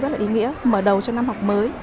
rất là ý nghĩa mở đầu cho năm học mới